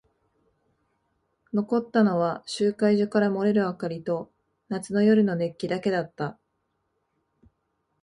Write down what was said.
残ったのは集会所から漏れる明かりと夏の夜の熱気だけだった。